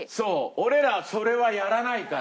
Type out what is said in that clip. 俺らそれはやらないから。